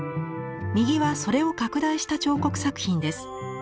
右はそれを拡大した彫刻作品です。